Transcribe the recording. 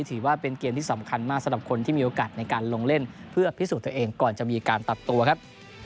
ถือว่าเป็นเกมที่สำคัญมากสำหรับคนที่มีโอกาสในการลงเล่นเพื่อพิสูจน์ตัวเองก่อนจะมีการตัดตัวครับ